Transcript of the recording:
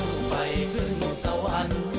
ขอบคุณทุกคน